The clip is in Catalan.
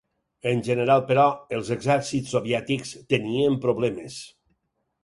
En general, però, els exèrcits soviètics tenien problemes.